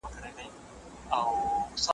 سوله پورته پر نيژدې توره ډبره .